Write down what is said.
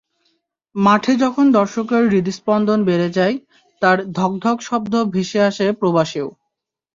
মাঠে যখন দর্শকের হৃৎস্পন্দন বেড়ে যায়, তার ধকধক শব্দ ভেসে আসে প্রবাসেও।